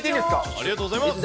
ありがとうございます。